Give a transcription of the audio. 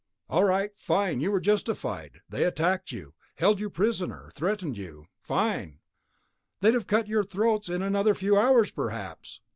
All right, fine. You were justified; they attacked you, held you prisoner, threatened you. Fine. They'd have cut your throats in another few hours, perhaps.